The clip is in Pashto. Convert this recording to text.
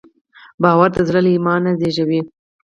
باور د زړه له ایمان زېږېږي.